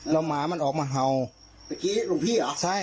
แล้วหมามันออกมาเห่าเมื่อกี้รุ่นพี่เหรอใช่